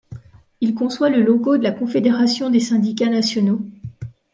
Il conçoit le logo de la Confédération des syndicats nationaux.